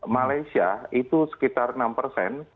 malaysia itu sekitar enam persen